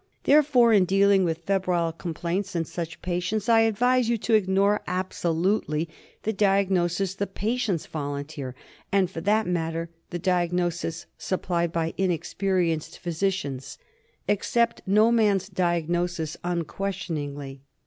Therefore, in dealing with febrile complaints in such patients, I advise you to ignore absolutely the diagnosis the patients volunteer, and, for that matter, the diagnosis supplied by inexperienced physicians. Accept no man's diagnosis unquestioningly.